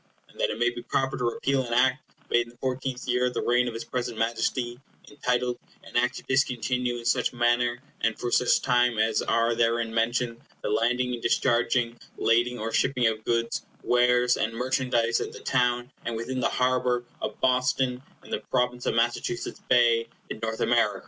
And that it may be proper to repeal an Act made in the fourteenth year of the reign of his present Majesty, entitled, An Act to discontinue, in such manner and for such time as are therein mentioned, the landing and discharging, lading or shipping of goods, wares, and merchandise at the town and within the harbor of Boston, in the Province of Massachusetts Bay, in North America.